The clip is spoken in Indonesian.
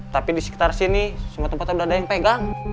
tapi di sekitar sini semua tempat ada yang pegang